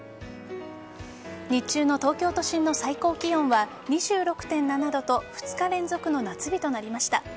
日中の東京都心の最高気温は２６．７度と２日連続の夏日となりました。